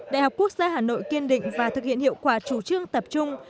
đại học quốc gia hà nội kiên định và thực hiện hiệu quả chủ trương tập trung